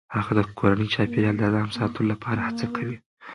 هغه د کورني چاپیریال د آرام ساتلو لپاره هڅه کوي.